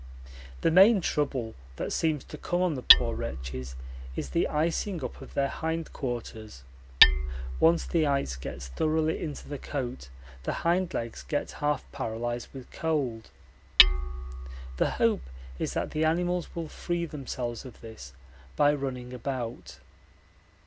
The main trouble that seems to come on the poor wretches is the icing up of their hindquarters; once the ice gets thoroughly into the coat the hind legs get half paralysed with cold. The hope is that the animals will free themselves of this by running about.